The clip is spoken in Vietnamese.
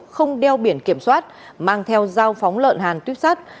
không đeo biển kiểm soát mang theo dao phóng lợn hàn tuyếp sắt